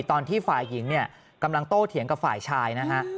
ตอนที่ฝ่ายหญิงเนี่ยกำลังโตเถียงกับฝ่ายชายนะฮะ